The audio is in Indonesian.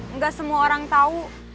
enggak semua orang tahu